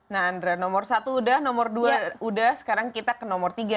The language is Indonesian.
nah andre nomor satu udah nomor dua udah sekarang kita ke nomor tiga